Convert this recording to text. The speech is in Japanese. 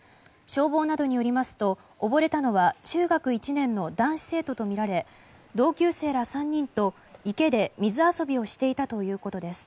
消防などによりますと溺れたのは中学１年の男子生徒とみられ同級生ら３人と池で水遊びをしていたということです。